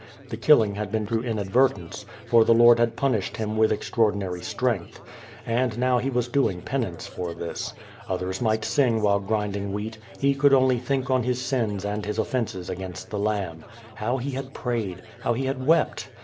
The killing had been through inadvertence, "for the Lord had puitished him with extraordinary strength. And now he was doing penance for this. Others might sing while grinding wheat, he could only think on his sins and his of fences against the Lamb. How he had prayed! How he had wept!